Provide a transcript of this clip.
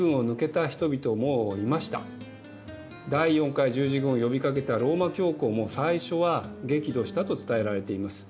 第４回十字軍を呼びかけたローマ教皇も最初は激怒したと伝えられています。